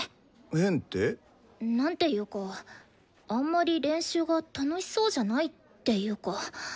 変って？なんていうかあんまり練習が楽しそうじゃないっていうか。